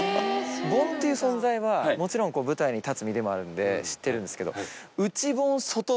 盆という存在はもちろん舞台に立つ身でもあるんで知ってるんですけど。